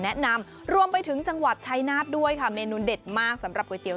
แนะนำรวมไปถึงจังหวัดชายนาฏด้วยค่ะเมนูเด็ดมากสำหรับก๋วยเตี๋ย